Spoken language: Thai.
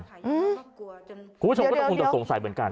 คุณผู้ชมก็ต้องคงจะสงสัยเหมือนกัน